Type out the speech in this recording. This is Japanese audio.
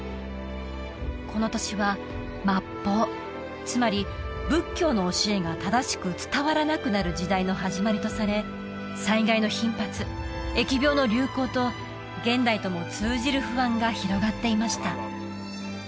この年は末法つまり仏教の教えが正しく伝わらなくなる時代の始まりとされ災害の頻発疫病の流行と現代とも通じる不安が広がっていました